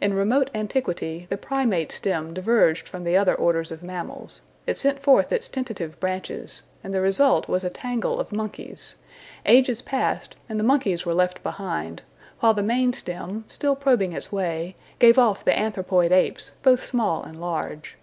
In remote antiquity the Primate stem diverged from the other orders of mammals; it sent forth its tentative branches, and the result was a tangle of monkeys; ages passed and the monkeys were left behind, while the main stem, still probing its way, gave off the Anthropoid apes, both small and large.